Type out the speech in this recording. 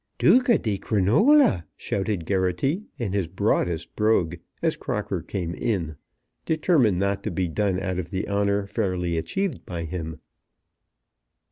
"Dchuca di Crinola!" shouted Geraghty in his broadest brogue as Crocker came in; determined not to be done out of the honour fairly achieved by him.